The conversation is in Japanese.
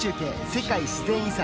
世界自然遺産」。